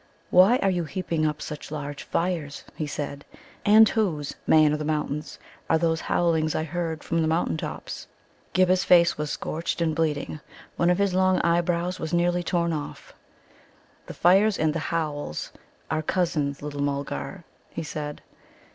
"Why are you heaping up such large fires?" he said, "and whose, Man of the Mountains, are those howlings I heard from the mountain tops?" Ghibba's face was scorched and bleeding; one of his long eyebrows was nearly torn off. "The fires and the howls are cousins, little Mulgar," he said.